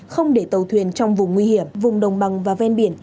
không để tàu thuyền trong vùng nguy hiểm vùng đồng bằng và ven biển